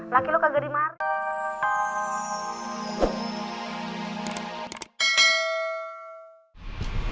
laki lo kagak dimarahi